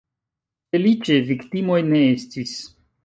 Feliĉe, viktimoj ne estis.